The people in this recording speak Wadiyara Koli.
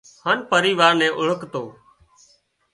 هانَ پريوار نين اوۯکتو